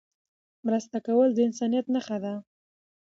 مرسته کول د انسانيت نښه ده.